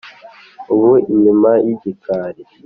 ubu inyuma y’igikali